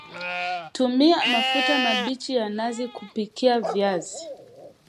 Tumia mafuta mabichi ya nazi klupikia viazi